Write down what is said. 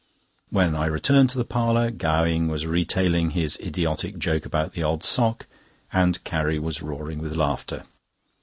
When I returned to the parlour, Gowing was retailing his idiotic joke about the odd sock, and Carrie was roaring with laughter.